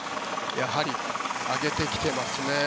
やはり上げてきてますね。